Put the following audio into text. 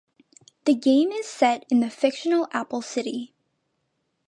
The game is set in the fictional Apple City.